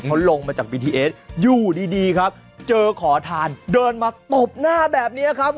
เขาลงมาจากบีทีเอสอยู่ดีครับเจอขอทานเดินมาตบหน้าแบบนี้ครับ